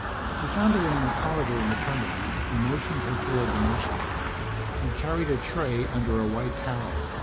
He found her in the corridor in Maternity and motioned her toward the nursery. He carried a tray under a white towel.